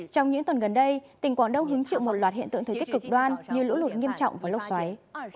trong những tuần gần đây tỉnh quảng đông hứng chịu một loạt hiện tượng thời tiết cực đoan như lũ lụt nghiêm trọng và lốc xoáy